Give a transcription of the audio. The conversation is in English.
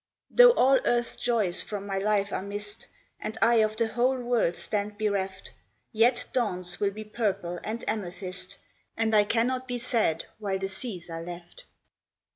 Though all earth's joys from my life are missed, And I of the whole world stand bereft, Yet dawns will be purple and amethyst, And I cannot be sad while the seas are left.